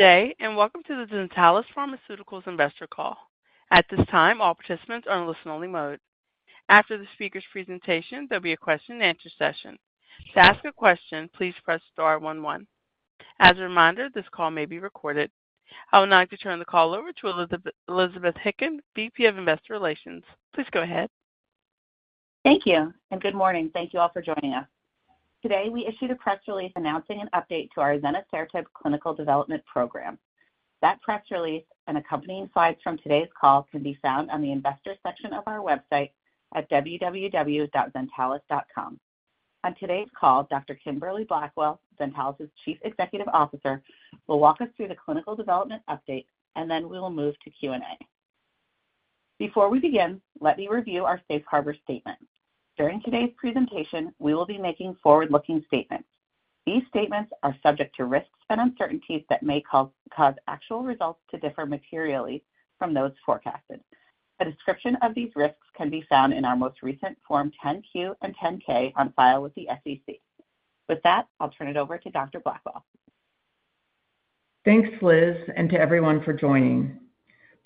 Good day, and welcome to the Zentalis Pharmaceuticals Investor Call. At this time, all participants are in listen-only mode. After the speaker's presentation, there'll be a question-and-answer session. To ask a question, please press star one, one. As a reminder, this call may be recorded. I would now like to turn the call over to Elizabeth, Elizabeth Hicken, VP of Investor Relations. Please go ahead. Thank you, and good morning. Thank you all for joining us. Today, we issued a press release announcing an update to our azenosertib clinical development program. That press release and accompanying slides from today's call can be found on the investor section of our website at www.zentalis.com. On today's call, Dr. Kimberly Blackwell, Zentalis' Chief Executive Officer, will walk us through the clinical development update, and then we will move to Q&A. Before we begin, let me review our safe harbor statement. During today's presentation, we will be making forward-looking statements. These statements are subject to risks and uncertainties that may cause, cause actual results to differ materially from those forecasted. A description of these risks can be found in our most recent Form 10-Q and 10-K on file with the SEC. With that, I'll turn it over to Dr. Blackwell. Thanks, Liz, and to everyone for joining.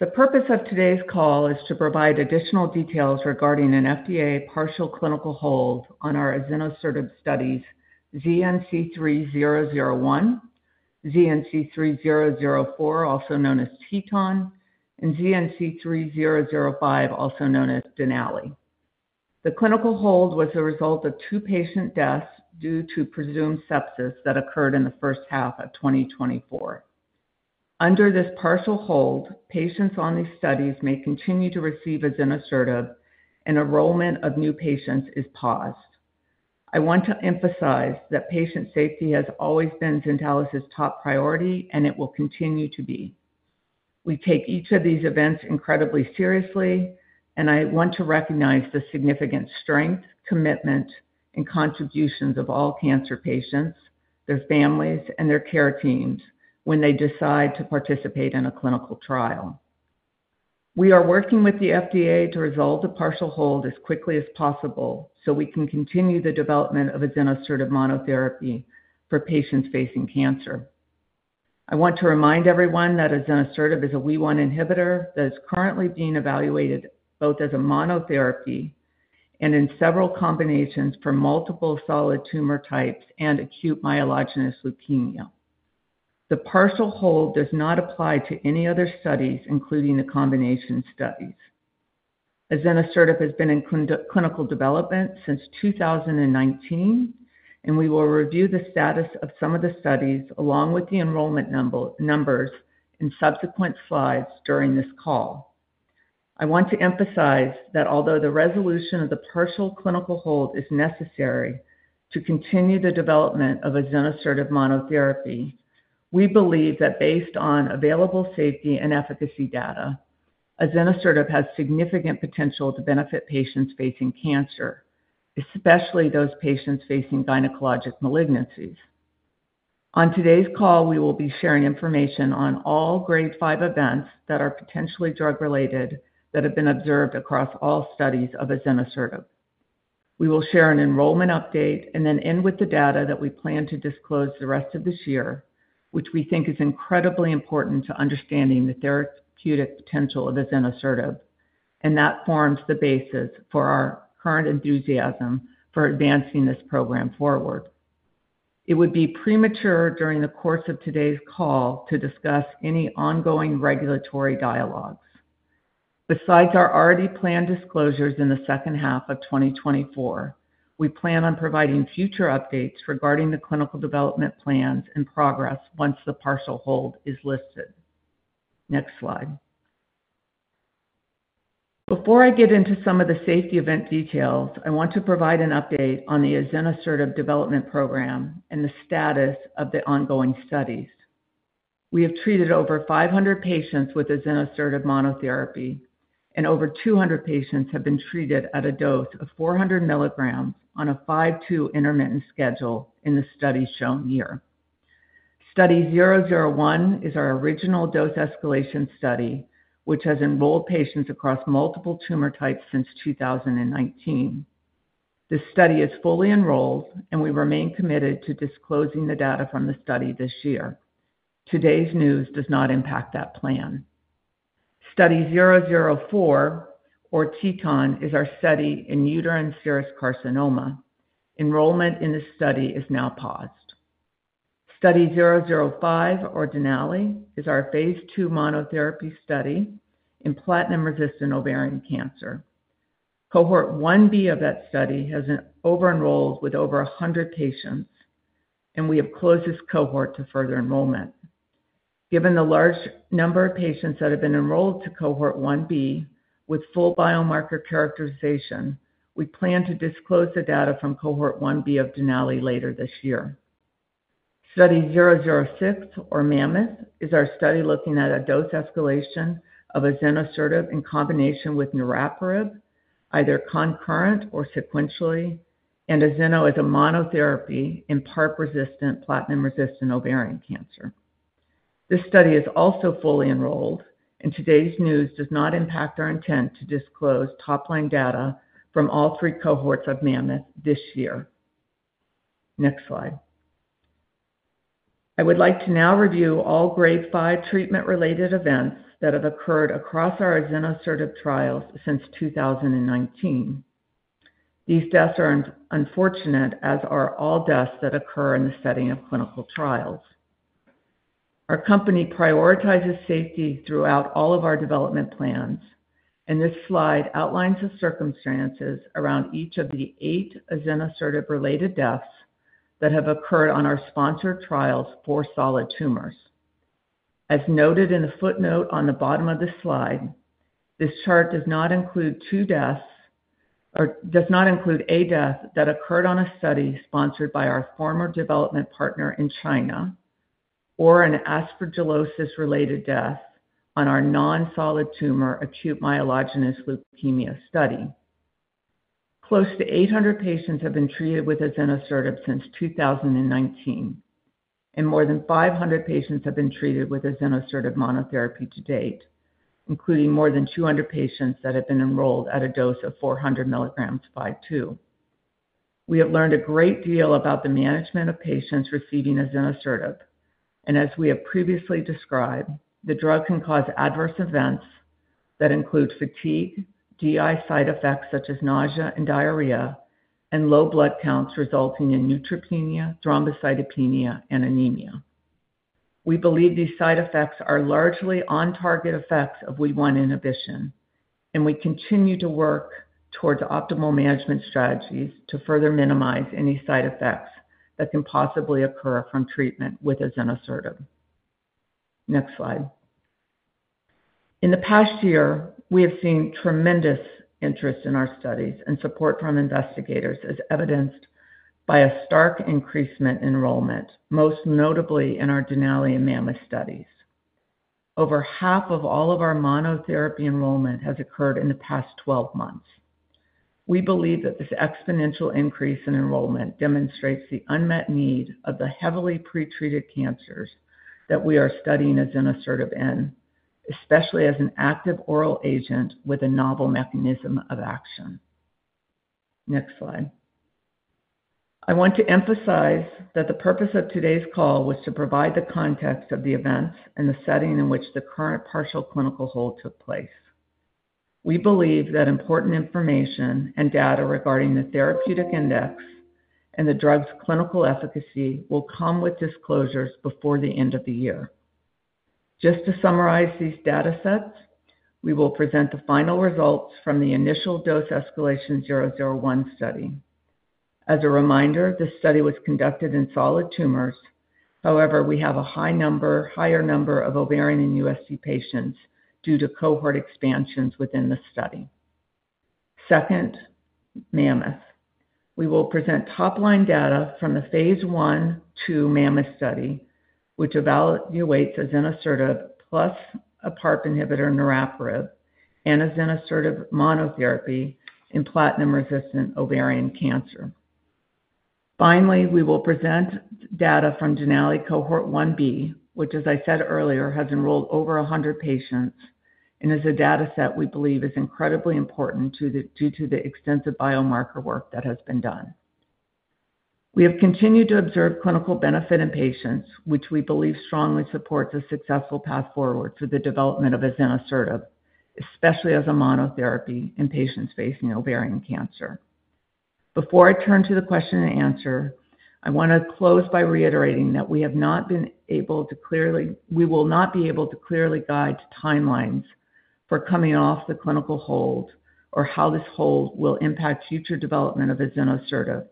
The purpose of today's call is to provide additional details regarding an FDA partial clinical hold on our azenosertib studies, ZN-c3-001, ZN-c3-004, also known as Teton, and ZN-c3-005, also known as Denali. The clinical hold was a result of two patient deaths due to presumed sepsis that occurred in the first half of 2024. Under this partial hold, patients on these studies may continue to receive azenosertib, and enrollment of new patients is paused. I want to emphasize that patient safety has always been Zentalis' top priority, and it will continue to be. We take each of these events incredibly seriously, and I want to recognize the significant strength, commitment, and contributions of all cancer patients, their families, and their care teams when they decide to participate in a clinical trial. We are working with the FDA to resolve the partial hold as quickly as possible so we can continue the development of azenosertib monotherapy for patients facing cancer. I want to remind everyone that azenosertib is a WEE1 inhibitor that is currently being evaluated both as a monotherapy and in several combinations for multiple solid tumor types and acute myelogenous leukemia. The partial hold does not apply to any other studies, including the combination studies. Azenosertib has been in clinical development since 2019, and we will review the status of some of the studies along with the enrollment numbers in subsequent slides during this call. I want to emphasize that although the resolution of the partial clinical hold is necessary to continue the development of azenosertib monotherapy, we believe that based on available safety and efficacy data, azenosertib has significant potential to benefit patients facing cancer, especially those patients facing gynecologic malignancies. On today's call, we will be sharing information on all Grade 5 events that are potentially drug-related that have been observed across all studies of azenosertib. We will share an enrollment update and then end with the data that we plan to disclose the rest of this year, which we think is incredibly important to understanding the therapeutic potential of azenosertib, and that forms the basis for our current enthusiasm for advancing this program forward. It would be premature during the course of today's call to discuss any ongoing regulatory dialogues. Besides our already planned disclosures in the second half of 2024, we plan on providing future updates regarding the clinical development plans and progress once the partial hold is lifted. Next slide. Before I get into some of the safety event details, I want to provide an update on the azenosertib development program and the status of the ongoing studies. We have treated over 500 patients with azenosertib monotherapy, and over 200 patients have been treated at a dose of 400 milligrams on a 5-2 intermittent schedule in the studies shown here. Study 001 is our original dose escalation study, which has enrolled patients across multiple tumor types since 2019. This study is fully enrolled, and we remain committed to disclosing the data from the study this year. Today's news does not impact that plan. Study 004 or Teton, is our study in uterine serous carcinoma. Enrollment in this study is now paused. Study 005 or Denali, is our phase 2 monotherapy study in platinum-resistant ovarian cancer. Cohort 1B of that study has over-enrolled with over 100 patients, and we have closed this cohort to further enrollment. Given the large number of patients that have been enrolled to Cohort 1B with full biomarker characterization, we plan to disclose the data from Cohort 1B of Denali later this year. Study 006 or Mammoth, is our study looking at a dose escalation of azenosertib in combination with niraparib, either concurrent or sequentially, and azeno as a monotherapy in PARP-resistant, platinum-resistant ovarian cancer. This study is also fully enrolled, and today's news does not impact our intent to disclose top-line data from all three cohorts of Mammoth this year.... Next slide. I would like to now review all Grade 5 treatment-related events that have occurred across our azenosertib trials since 2019. These deaths are unfortunate, as are all deaths that occur in the setting of clinical trials. Our company prioritizes safety throughout all of our development plans, and this slide outlines the circumstances around each of the eight azenosertib-related deaths that have occurred on our sponsored trials for solid tumors. As noted in the footnote on the bottom of this slide, this chart does not include two deaths, or does not include a death that occurred on a study sponsored by our former development partner in China, or an aspergillosis-related death on our non-solid tumor acute myelogenous leukemia study. Close to 800 patients have been treated with azenosertib since 2019, and more than 500 patients have been treated with azenosertib monotherapy to date, including more than 200 patients that have been enrolled at a dose of 400 milligrams 5-2. We have learned a great deal about the management of patients receiving azenosertib, and as we have previously described, the drug can cause adverse events that include fatigue, GI side effects such as nausea and diarrhea, and low blood counts resulting in neutropenia, thrombocytopenia, and anemia. We believe these side effects are largely on-target effects of WEE1 inhibition, and we continue to work towards optimal management strategies to further minimize any side effects that can possibly occur from treatment with azenosertib. Next slide. In the past year, we have seen tremendous interest in our studies and support from investigators, as evidenced by a stark increase in enrollment, most notably in our Denali and Mammoth studies. Over half of all of our monotherapy enrollment has occurred in the past 12 months. We believe that this exponential increase in enrollment demonstrates the unmet need of the heavily pretreated cancers that we are studying azenosertib in, especially as an active oral agent with a novel mechanism of action. Next slide. I want to emphasize that the purpose of today's call was to provide the context of the events and the setting in which the current partial clinical hold took place. We believe that important information and data regarding the therapeutic index and the drug's clinical efficacy will come with disclosures before the end of the year. Just to summarize these data sets, we will present the final results from the initial dose escalation ZN-c3-001 study. As a reminder, this study was conducted in solid tumors. However, we have a high number—higher number of ovarian and USC patients due to cohort expansions within the study. Second, Mammoth. We will present top-line data from the phase 1/2 Mammoth study, which evaluates azenosertib plus a PARP inhibitor, niraparib, and azenosertib monotherapy Cohort 1B, which, as I said earlier, has enrolled over 100 patients and is a data set we believe is incredibly important due to the extensive biomarker work that has been done. We have continued to observe clinical benefit in patients, which we believe strongly supports a successful path forward for the development of azenosertib, especially as a monotherapy in patients facing ovarian cancer. Before I turn to the question and answer, I want to close by reiterating that we will not be able to clearly guide timelines for coming off the clinical hold or how this hold will impact future development of azenosertib,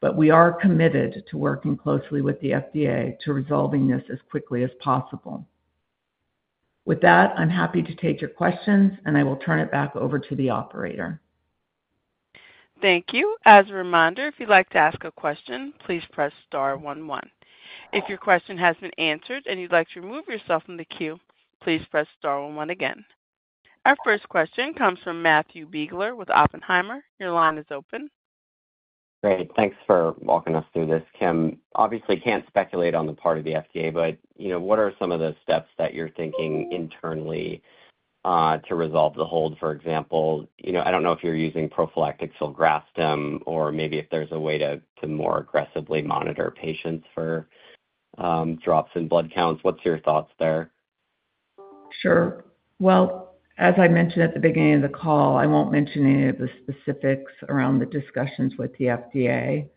but we are committed to working closely with the FDA to resolving this as quickly as possible. With that, I'm happy to take your questions, and I will turn it back over to the operator. Thank you. As a reminder, if you'd like to ask a question, please press star one, one. If your question has been answered and you'd like to remove yourself from the queue, please press star one, one again. Our first question comes from Matthew Biegler with Oppenheimer. Your line is open. Great. Thanks for walking us through this, Kim. Obviously, can't speculate on the part of the FDA, but, you know, what are some of the steps that you're thinking internally to resolve the hold? For example, you know, I don't know if you're using prophylactic filgrastim or maybe if there's a way to more aggressively monitor patients for drops in blood counts. What's your thoughts there? Sure. Well, as I mentioned at the beginning of the call, I won't mention any of the specifics around the discussions with the FDA.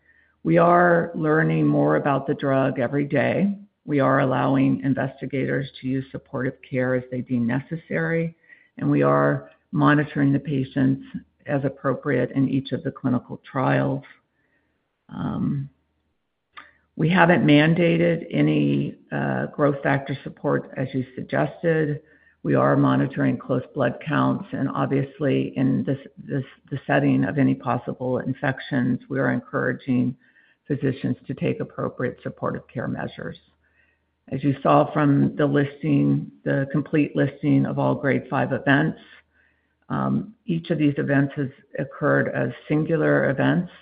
We are learning more about the drug every day. We are allowing investigators to use supportive care as they deem necessary, and we are monitoring the patients as appropriate in each of the clinical trials. We haven't mandated any growth factor support, as you suggested. We are monitoring closely blood counts and obviously in this, the setting of any possible infections, we are encouraging physicians to take appropriate supportive care measures. As you saw from the listing, the complete listing of all Grade 5 events, each of these events has occurred as singular events.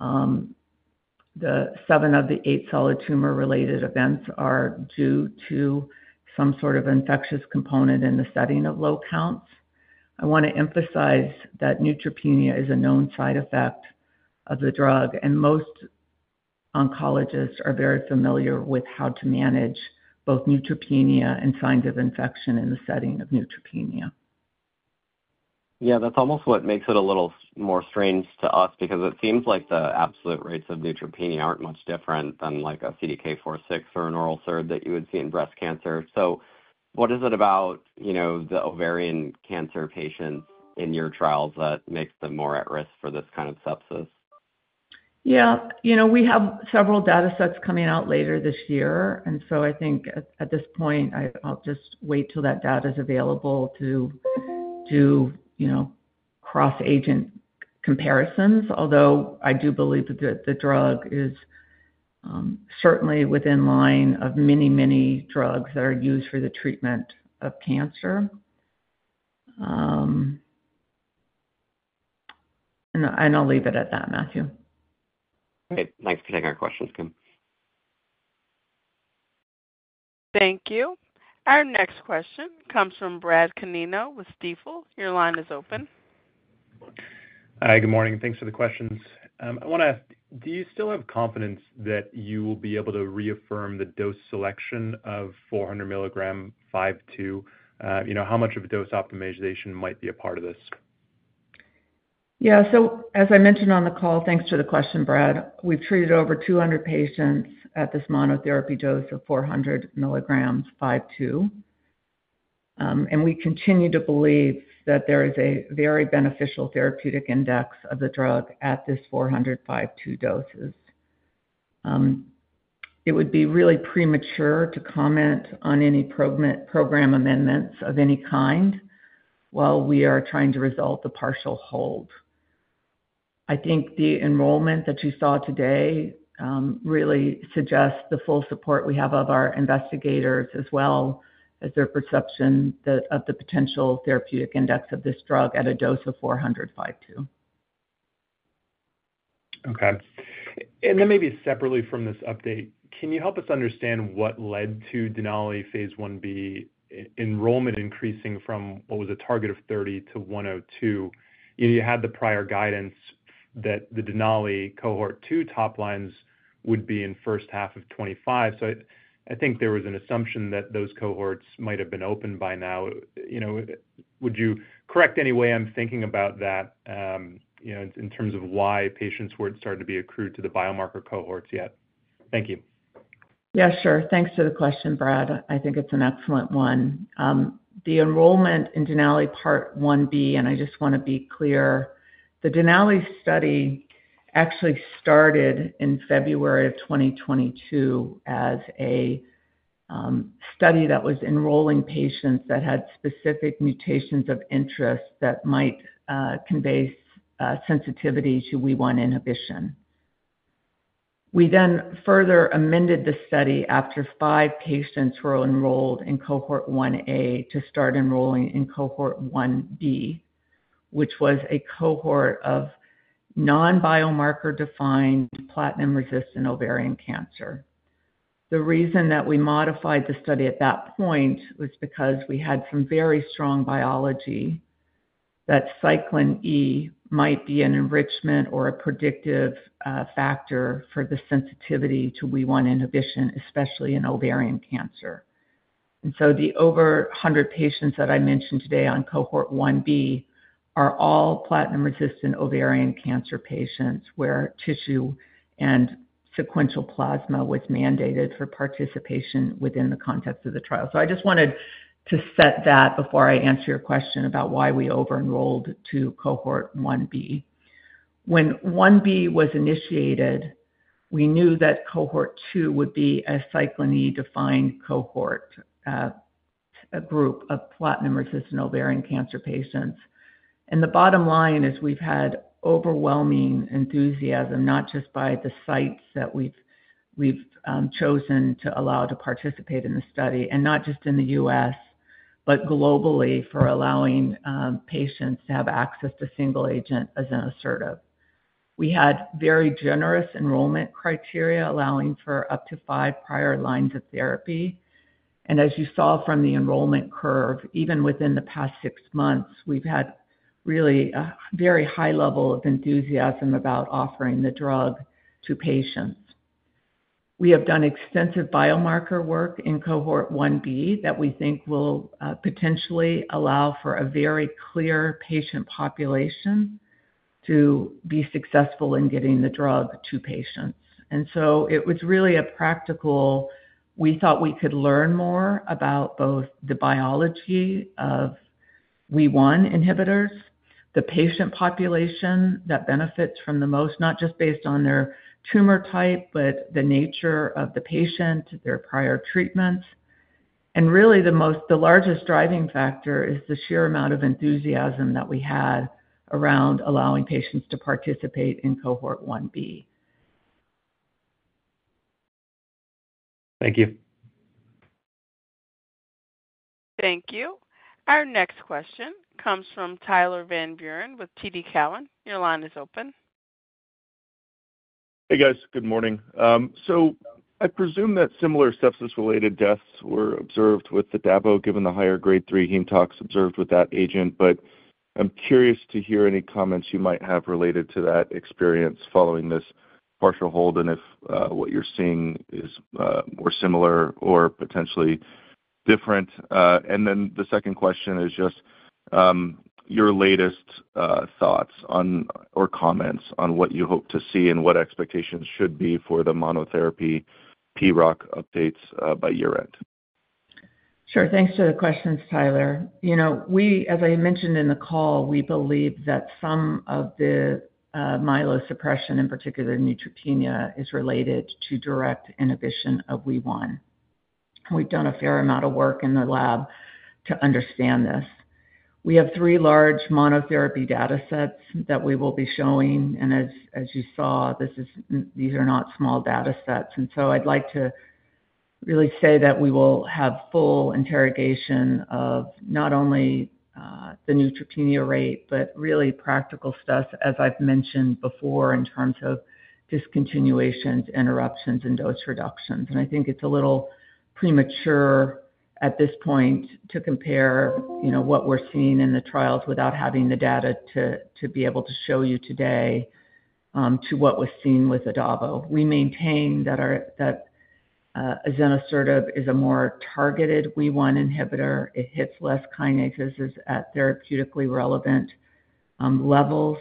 The 7 of the 8 solid tumor-related events are due to some sort of infectious component in the setting of low counts. I wanna emphasize that neutropenia is a known side effect of the drug, and most oncologists are very familiar with how to manage both neutropenia and signs of infection in the setting of neutropenia. Yeah, that's almost what makes it a little more strange to us because it seems like the absolute rates of neutropenia aren't much different than like a CDK 4/6 or an oral SERD that you would see in breast cancer. So what is it about, you know, the ovarian cancer patients in your trials that makes them more at risk for this kind of sepsis? Yeah. You know, we have several data sets coming out later this year, and so I think at this point, I'll just wait till that data is available to you know, cross-agent comparisons. Although I do believe that the drug is certainly within line of many, many drugs that are used for the treatment of cancer. And I'll leave it at that, Matthew. Great. Thanks for taking our questions, Kim. Thank you. Our next question comes from Brad Canino with Stifel. Your line is open. Hi, good morning, and thanks for the questions. I wanna ask, do you still have confidence that you will be able to reaffirm the dose selection of 400 milligram 5-2? You know, how much of a dose optimization might be a part of this? Yeah. So as I mentioned on the call, thanks for the question, Brad. We've treated over 200 patients at this monotherapy dose of 400 mg 5-2. And we continue to believe that there is a very beneficial therapeutic index of the drug at this 400 5-2 doses. It would be really premature to comment on any program amendments of any kind while we are trying to resolve the partial hold. I think the enrollment that you saw today really suggests the full support we have of our investigators, as well as their perception that of the potential therapeutic index of this drug at a dose of 400 5-2. Okay. Then maybe separately from this update, can you help us understand what led to Denali phase 1b enrollment increasing from what was a target of 30 to 102? You had the prior guidance that the Denali Cohort 2 top lines would be in first half of 2025. So I think there was an assumption that those cohorts might have been opened by now. You know, would you correct any way I'm thinking about that, you know, in terms of why patients weren't starting to be accrued to the biomarker cohorts yet? Thank you. Yeah, sure. Thanks for the question, Brad. I think it's an excellent one. The enrollment in Denali Part 1B, and I just wanna be clear, the Denali study actually started in February of 2022 as a study that was enrolling patients that had specific mutations of interest that might convey sensitivity to WEE1 inhibition. We then further amended the study after five patients were enrolled in Cohort 1A to start enrolling in Cohort 1B, which was a cohort of non-biomarker-defined platinum-resistant ovarian cancer. The reason that we modified the study at that point was because we had some very strong biology that Cyclin E might be an enrichment or a predictive factor for the sensitivity to WEE1 inhibition, especially in ovarian cancer. So the over 100 patients that I mentioned today on Cohort 1B are all platinum-resistant ovarian cancer patients, where tissue and sequential plasma was mandated for participation within the context of the trial. So I just wanted to set that before I answer your question about why we over-enrolled to Cohort 1B. When 1B was initiated, we knew that Cohort 2 would be a Cyclin E-defined cohort, a group of platinum-resistant ovarian cancer patients. And the bottom line is we've had overwhelming enthusiasm, not just by the sites that we've chosen to allow to participate in this study, and not just in the U.S., but globally for allowing patients to have access to single-agent azenosertib. We had very generous enrollment criteria, allowing for up to 5 prior lines of therapy. As you saw from the enrollment curve, even within the past six months, we've had really a very high level of enthusiasm about offering the drug to patients. We have done extensive biomarker work in Cohort 1B that we think will potentially allow for a very clear patient population to be successful in getting the drug to patients. And so it was really a practical. We thought we could learn more about both the biology of WEE1 inhibitors, the patient population that benefits from the most, not just based on their tumor type, but the nature of the patient, their prior treatments. And really, the largest driving factor is the sheer amount of enthusiasm that we had around allowing patients to participate in Cohort 1B. Thank you. Thank you. Our next question comes from Tyler Van Buren with TD Cowen. Your line is open.... Hey, guys. Good morning. So I presume that similar sepsis-related deaths were observed with the adavo, given the higher grade 3 heme tox observed with that agent. But I'm curious to hear any comments you might have related to that experience following this partial hold, and if what you're seeing is more similar or potentially different. And then the second question is just your latest thoughts on or comments on what you hope to see and what expectations should be for the monotherapy PROC updates by year-end. Sure. Thanks for the questions, Tyler. You know, we, as I mentioned in the call, we believe that some of the myelosuppression, in particular neutropenia, is related to direct inhibition of WEE1. We've done a fair amount of work in the lab to understand this. We have three large monotherapy datasets that we will be showing, and as you saw, these are not small datasets. And so I'd like to really say that we will have full interrogation of not only the neutropenia rate, but really practical stuff, as I've mentioned before, in terms of discontinuations, interruptions, and dose reductions. And I think it's a little premature at this point to compare, you know, what we're seeing in the trials without having the data to be able to show you today to what was seen with adavo. We maintain that our azenosertib is a more targeted WEE1 inhibitor. It hits less kinases at therapeutically relevant levels.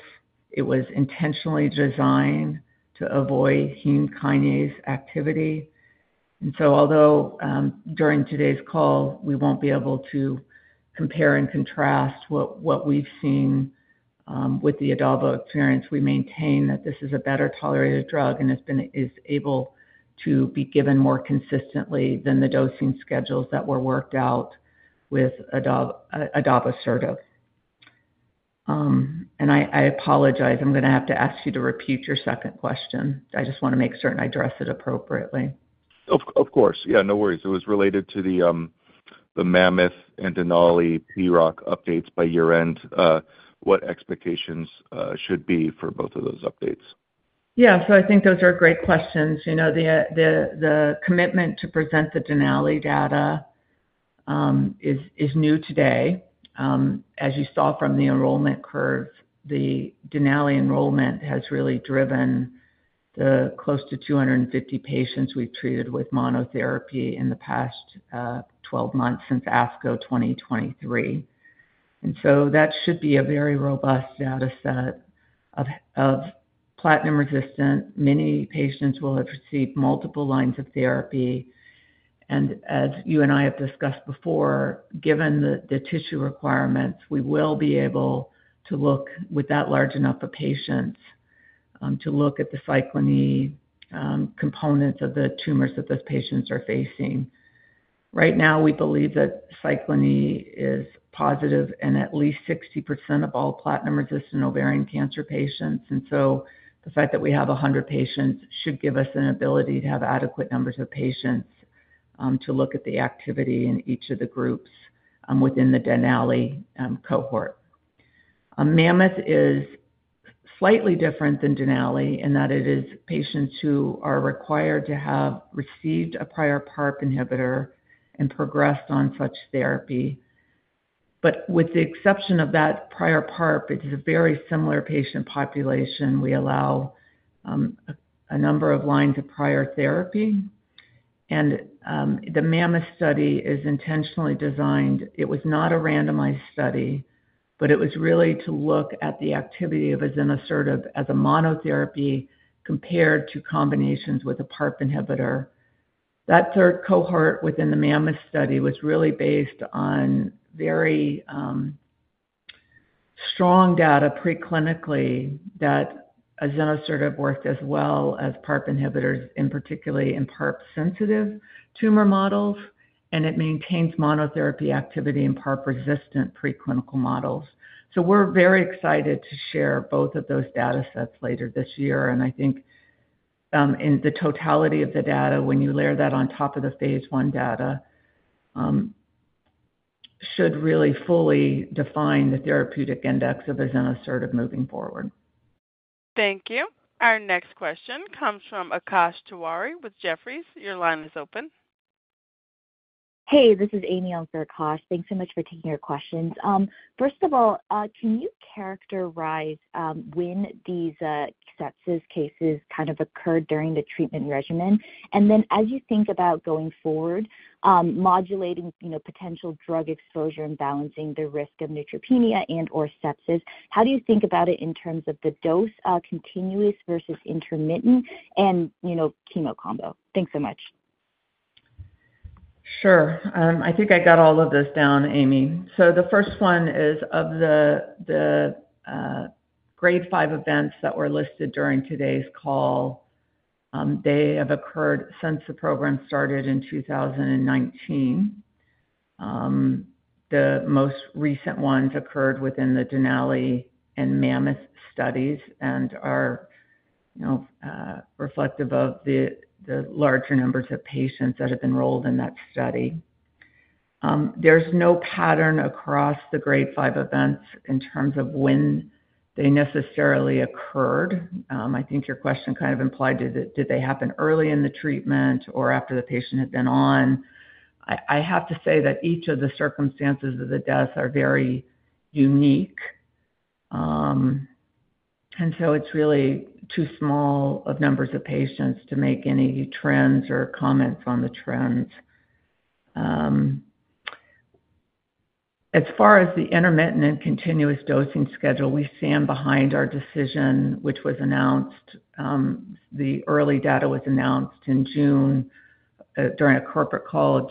It was intentionally designed to avoid human kinase activity. And so although during today's call, we won't be able to compare and contrast what we've seen with the adavosertib experience, we maintain that this is a better-tolerated drug and is able to be given more consistently than the dosing schedules that were worked out with adavosertib. And I apologize. I'm gonna have to ask you to repeat your second question. I just wanna make certain I address it appropriately. Of course. Yeah, no worries. It was related to the Mammoth and Denali PROC updates by year-end. What expectations should be for both of those updates? Yeah. So I think those are great questions. You know, the commitment to present the Denali data is new today. As you saw from the enrollment curve, the Denali enrollment has really driven the close to 250 patients we've treated with monotherapy in the past 12 months since ASCO 2023. And so that should be a very robust dataset of platinum-resistant. Many patients will have received multiple lines of therapy, and as you and I have discussed before, given the tissue requirements, we will be able to look, with that large enough of patients, to look at the Cyclin E components of the tumors that those patients are facing. Right now, we believe that Cyclin E is positive in at least 60% of all platinum-resistant ovarian cancer patients. The fact that we have 100 patients should give us an ability to have adequate numbers of patients to look at the activity in each of the groups within the Denali cohort. Mammoth is slightly different than Denali in that it is patients who are required to have received a prior PARP inhibitor and progressed on such therapy. But with the exception of that prior PARP, it is a very similar patient population. We allow a number of lines of prior therapy. And the Mammoth study is intentionally designed. It was not a randomized study, but it was really to look at the activity of azenosertib as a monotherapy compared to combinations with a PARP inhibitor. That third cohort within the Mammoth study was really based on very strong data preclinically, that azenosertib worked as well as PARP inhibitors, in particular in PARP-sensitive tumor models, and it maintains monotherapy activity in PARP-resistant preclinical models. So we're very excited to share both of those datasets later this year. And I think, in the totality of the data, when you layer that on top of the phase 1 data, should really fully define the therapeutic index of azenosertib moving forward. Thank you. Our next question comes from Akash Tewari with Jefferies. Your line is open. Hey, this is Amy on for Akash. Thanks so much for taking our questions. First of all, can you characterize when these sepsis cases kind of occurred during the treatment regimen? And then as you think about going forward, modulating, you know, potential drug exposure and balancing the risk of neutropenia and/or sepsis, how do you think about it in terms of the dose, continuous versus intermittent, and, you know, chemo combo? Thanks so much. Sure. I think I got all of this down, Amy. So the first one is of the grade five events that were listed during today's call, they have occurred since the program started in 2019. The most recent ones occurred within the Denali and Mammoth studies and are reflective of the larger numbers of patients that have enrolled in that study. There's no pattern across the grade five events in terms of when they necessarily occurred. I think your question kind of implied, did they happen early in the treatment or after the patient had been on? I have to say that each of the circumstances of the deaths are very unique. And so it's really too small of numbers of patients to make any trends or comments on the trends. As far as the intermittent and continuous dosing schedule, we stand behind our decision, which was announced, the early data was announced in June 2023, during a corporate call,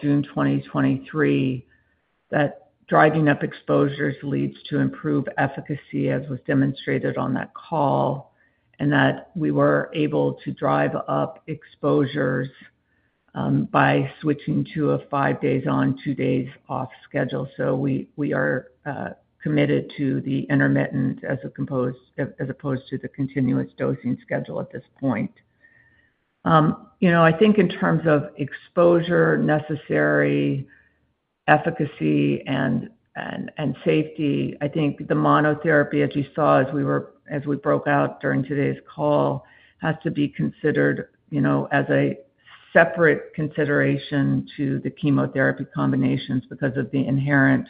that driving up exposures leads to improved efficacy, as was demonstrated on that call, and that we were able to drive up exposures, by switching to a 5 days on, 2 days off schedule. So we, we are, committed to the intermittent as opposed to the continuous dosing schedule at this point. You know, I think in terms of exposure, necessary efficacy and safety, I think the monotherapy, as you saw, as we broke out during today's call, has to be considered, you know, as a separate consideration to the chemotherapy combinations because of the inherent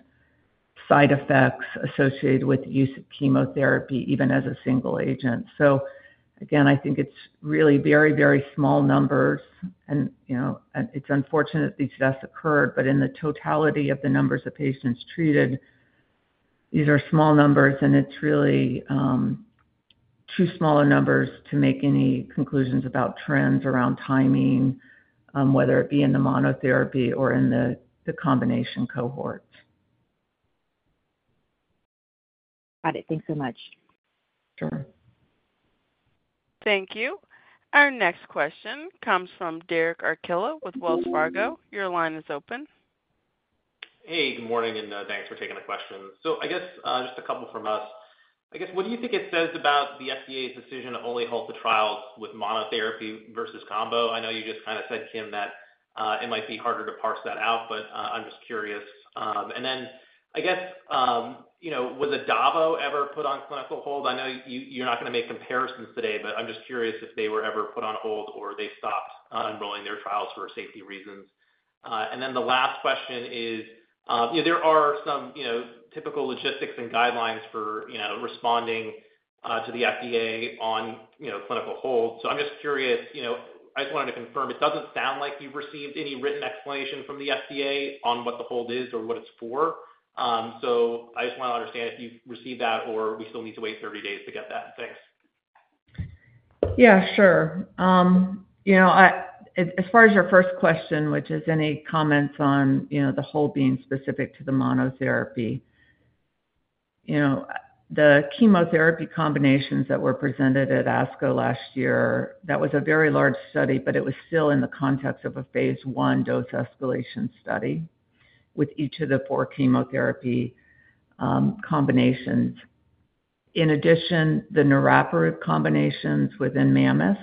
side effects associated with the use of chemotherapy, even as a single agent. So again, I think it's really very, very small numbers and, you know, and it's unfortunate these deaths occurred, but in the totality of the numbers of patients treated, these are small numbers, and it's really too small numbers to make any conclusions about trends around timing, whether it be in the monotherapy or in the combination cohort. Got it. Thanks so much. Sure. Thank you. Our next question comes from Derek Archila with Wells Fargo. Your line is open. Hey, good morning, and thanks for taking the question. So I guess just a couple from us. I guess what do you think it says about the FDA's decision to only halt the trials with monotherapy versus combo? I know you just kind of said, Kim, that it might be harder to parse that out, but I'm just curious. And then, I guess you know, was adavo ever put on clinical hold? I know you're not gonna make comparisons today, but I'm just curious if they were ever put on hold or they stopped enrolling their trials for safety reasons. And then the last question is, you know, there are some you know, typical logistics and guidelines for you know, responding to the FDA on you know, clinical hold. So I'm just curious, you know, I just wanted to confirm. It doesn't sound like you've received any written explanation from the FDA on what the hold is or what it's for. So I just want to understand if you've received that or we still need to wait 30 days to get that. Thanks. Yeah, sure. You know, I as far as your first question, which is any comments on, you know, the hold being specific to the monotherapy. You know, the chemotherapy combinations that were presented at ASCO last year, that was a very large study, but it was still in the context of a phase 1 dose escalation study with each of the four chemotherapy combinations. In addition, the niraparib combinations within Mammoth,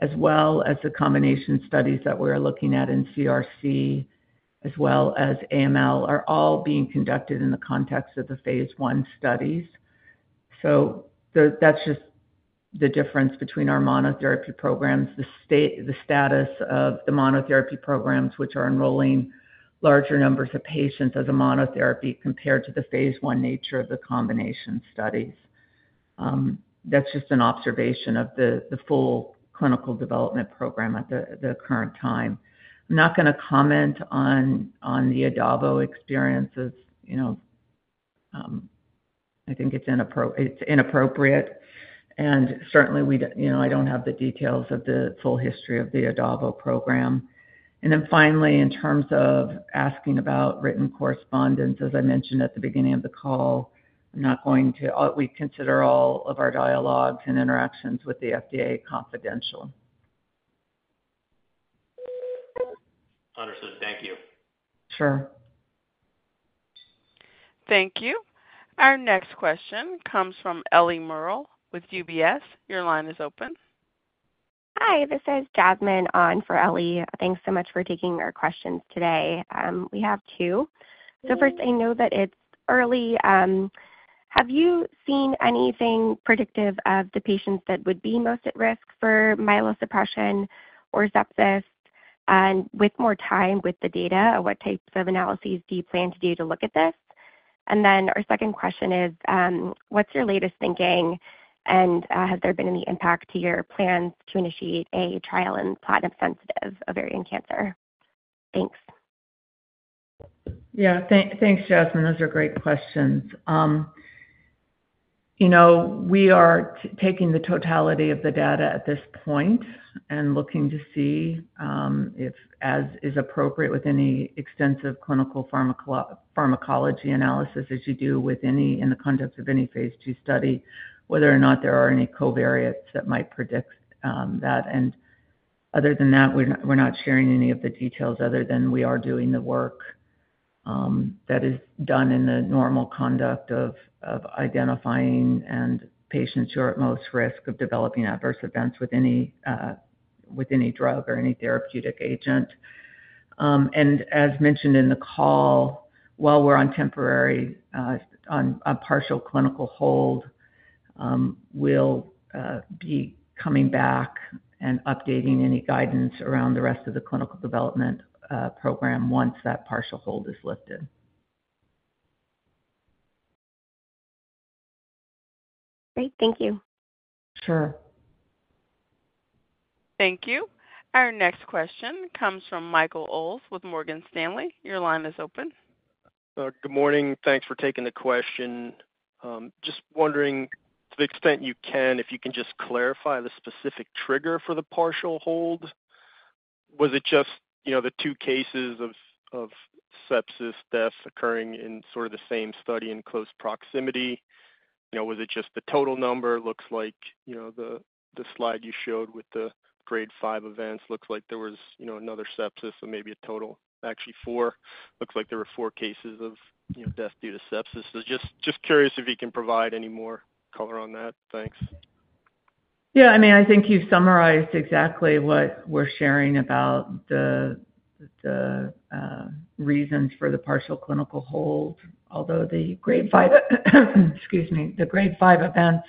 as well as the combination studies that we're looking at in CRC, as well as AML, are all being conducted in the context of the phase 1 studies. So that's just the difference between our monotherapy programs, the status of the monotherapy programs, which are enrolling larger numbers of patients as a monotherapy compared to the phase 1 nature of the combination studies. That's just an observation of the full clinical development program at the current time. I'm not gonna comment on the adavo experiences, you know, I think it's inappropriate, and certainly we, you know, I don't have the details of the full history of the adavo program. And then finally, in terms of asking about written correspondence, as I mentioned at the beginning of the call, I'm not going to... We consider all of our dialogues and interactions with the FDA confidential. Understood. Thank you. Sure. Thank you. Our next question comes from Eliana Merle with UBS. Your line is open. Hi, this is Jasmine on for Ellie. Thanks so much for taking our questions today. We have two. So first, I know that it's early, have you seen anything predictive of the patients that would be most at risk for myelosuppression or sepsis? And with more time with the data, what types of analyses do you plan to do to look at this? And then our second question is, what's your latest thinking, and, has there been any impact to your plans to initiate a trial in platinum-sensitive ovarian cancer? Thanks. Yeah. Thanks, Jasmine. Those are great questions. You know, we are taking the totality of the data at this point and looking to see if as is appropriate with any extensive clinical pharmacology analysis, as you do with any, in the context of any phase 2 study, whether or not there are any covariates that might predict that. And other than that, we're not sharing any of the details other than we are doing the work that is done in the normal conduct of identifying patients who are at most risk of developing adverse events with any drug or any therapeutic agent. As mentioned in the call, while we're on a temporary partial clinical hold, we'll be coming back and updating any guidance around the rest of the clinical development program once that partial hold is lifted. Great. Thank you. Sure. Thank you. Our next question comes from Michael Ulz with Morgan Stanley. Your line is open. Good morning. Thanks for taking the question. Just wondering, to the extent you can, if you can just clarify the specific trigger for the partial hold. Was it just, you know, the 2 cases of sepsis deaths occurring in sort of the same study in close proximity? You know, was it just the total number? Looks like, you know, the slide you showed with the Grade 5 events, looks like there was, you know, another sepsis, so maybe a total—actually 4. Looks like there were 4 cases of, you know, death due to sepsis. So just curious if you can provide any more color on that. Thanks. Yeah, I mean, I think you've summarized exactly what we're sharing about the reasons for the partial clinical hold. Although the Grade 5, excuse me, the Grade 5 events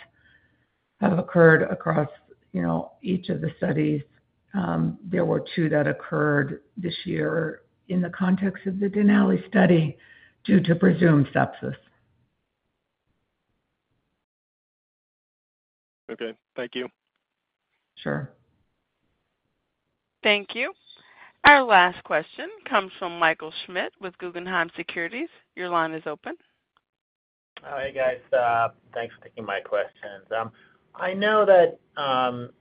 have occurred across, you know, each of the studies. There were two that occurred this year in the context of the Denali study due to presumed sepsis. Okay. Thank you. Sure. Thank you. Our last question comes from Michael Schmidt with Guggenheim Securities. Your line is open. Hi, guys. Thanks for taking my questions. I know that,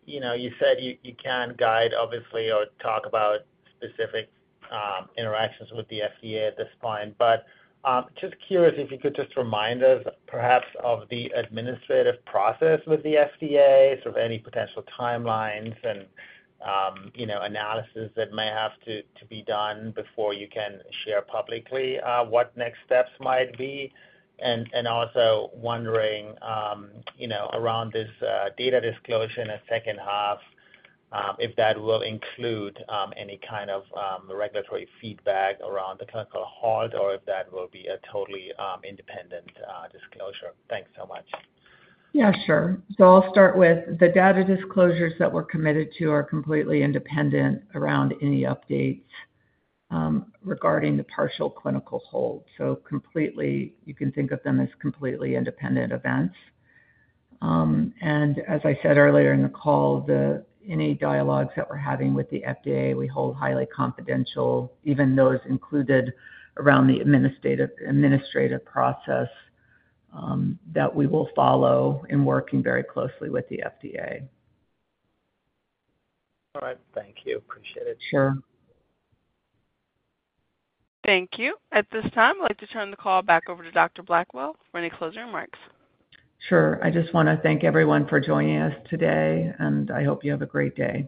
you know, you said you can't guide obviously, or talk about specific interactions with the FDA at this point. But just curious if you could just remind us perhaps of the administrative process with the FDA, sort of any potential timelines and, you know, analysis that may have to be done before you can share publicly what next steps might be. And also wondering, you know, around this data disclosure in the second half, if that will include any kind of regulatory feedback around the clinical hold or if that will be a totally independent disclosure. Thanks so much. Yeah, sure. So I'll start with the data disclosures that we're committed to are completely independent around any updates regarding the partial clinical hold. So completely, you can think of them as completely independent events. And as I said earlier in the call, any dialogues that we're having with the FDA, we hold highly confidential, even those included around the administrative process that we will follow in working very closely with the FDA. All right. Thank you. Appreciate it. Sure. Thank you. At this time, I'd like to turn the call back over to Dr. Blackwell for any closing remarks. Sure. I just wanna thank everyone for joining us today, and I hope you have a great day.